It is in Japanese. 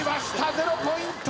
０ポイント！